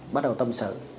bắt đầu tâm sự